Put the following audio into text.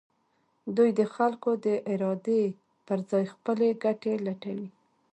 دوی د خلکو د ارادې پر ځای خپلې ګټې لټوي.